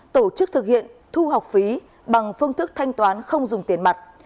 tổ chức thực hiện thu học phí bằng phương thức thanh toán không dùng tiền mặt